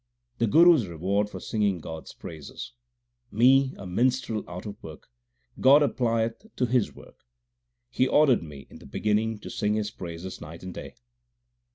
The Guru s reward for singing God s praises : Me, a minstrel out of work, God applieth to His work ; He ordered me in the beginning to sing His praises nigl t and day.